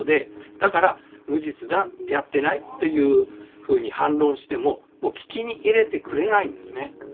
だから無実だやってないというふうに反論してももう聞き入れてくれないんですね。